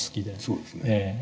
そうですね。